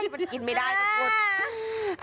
มันกินไม่ได้ทุกคน